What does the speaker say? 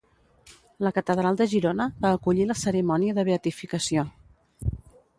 La Catedral de Girona va acollir la cerimònia de beatificació.